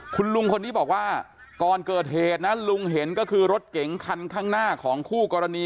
คุณลุงคนนี้บอกว่าก่อนเกิดเหตุนะลุงเห็นก็คือรถเก๋งคันข้างหน้าของคู่กรณี